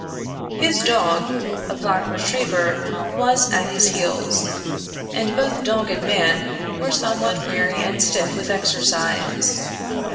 His dog, a black retriever, was at his heels, and both dog and man were somewhat weary and stiff with exercise.